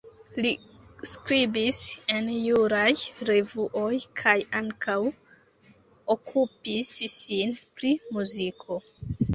Li skribis en juraj revuoj kaj ankaŭ okupis sin pri muziko.